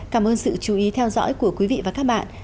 cảm ơn sự chú ý theo dõi của quý vị và các bạn